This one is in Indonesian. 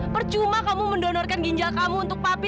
percuma kamu mendonorkan ginjal kamu untuk papi